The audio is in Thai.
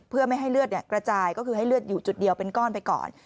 เพื่อไม่ให้เลือดกระจายก็คือให้เลือดอยู่จุดเดียวเป็นก้อนไปก่อน